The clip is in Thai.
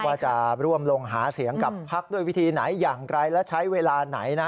ว่าจะร่วมลงหาเสียงกับพักด้วยวิธีไหนอย่างไรและใช้เวลาไหนนะ